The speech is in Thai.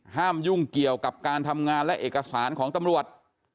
ยุ่งเกี่ยวกับการทำงานและเอกสารของตำรวจ